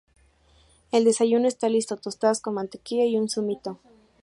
El desayuno está listo, tostadas con mantequilla y un zumito